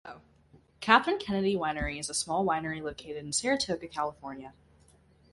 Kathryn Kennedy Winery is a small winery located in Saratoga, California.